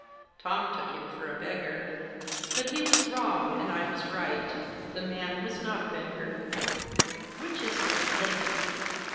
Tom took him for a beggar. But he was wrong, and I was right ; the man was not a beggar. "Which is little lady?"